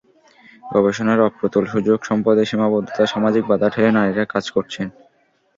গবেষণার অপ্রতুল সুযোগ, সম্পদের সীমাবদ্ধতা, সামাজিক বাধা ঠেলে নারীরা কাজ করছেন।